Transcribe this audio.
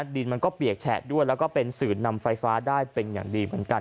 ดินมันก็เปียกแฉะด้วยแล้วก็เป็นสื่อนำไฟฟ้าได้เป็นอย่างดีเหมือนกัน